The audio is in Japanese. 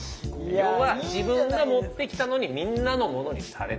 要は自分が持ってきたのにみんなのものにされてしまったという。